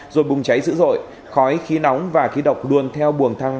rồi bùng cháy dữ dội khói khí nóng và khí độc đuôn theo buồng thang hoa